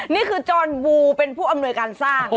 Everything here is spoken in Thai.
นี่คือจรวูเป็นผู้อำนวยการสร้าง